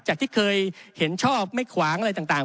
จากที่เคยเห็นชอบไม่ขวางอะไรต่าง